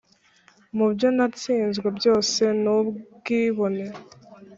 mubyo natsinzwe byose nubwibone